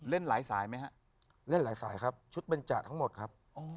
เล่นหลายสายครับชุดเบญจาทั้งหมดครับ